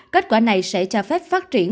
kết quả này sẽ cho phép phát triển